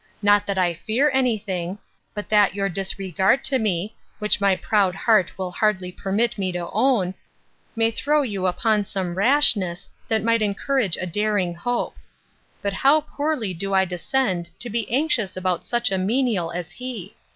Not that I fear any thing, but that your disregard to me, which yet my proud heart will hardly permit me to own, may throw you upon some rashness, that might encourage a daring hope: But how poorly do I descend, to be anxious about such a menial as he!